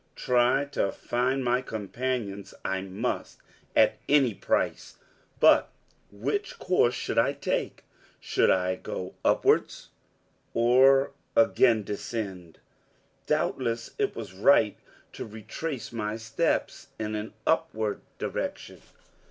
Try to find my companions I must, at any price. But which course should I take? Should I go upwards, or again descend? Doubtless it was right to retrace my steps in an upward direction.